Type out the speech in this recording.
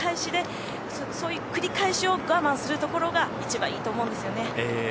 そういう繰り返しを我慢するところが一番いいと思うんですよね。